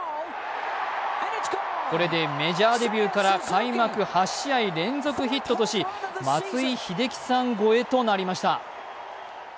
これでメジャーデビューから開幕８試合連続ヒットとし松井秀喜さん超えとなりました。